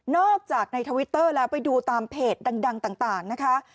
อกจากในทวิตเตอร์แล้วไปดูตามเพจดังต่างนะคะ